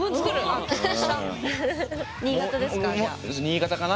新潟ですか？